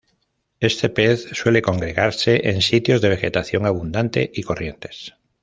Este pez suele congregarse en sitios de vegetación abundante y corrientes.